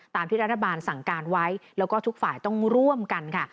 ตามที่รัฐบาลสั่งการไว้แล้วก็ทุกฝ่ายต้องร่วมกันค่ะ